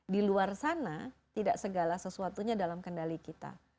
di luar sana tidak segala sesuatunya dalam kendali kita